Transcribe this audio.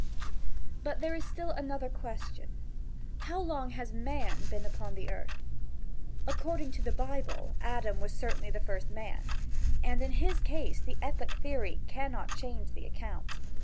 But there is still another question. How long has man been upon the earth? According to the Bible, Adam was certainly the first man, and in his case the epoch theory cannot change the account.